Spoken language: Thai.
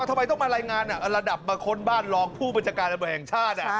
ทำไมต้องมารายงานระดับมาค้นบ้านรองผู้บัญชาการตำรวจแห่งชาติ